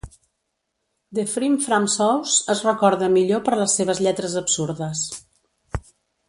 "The Frim Fram Sauce" es recorda millor per les seves lletres absurdes.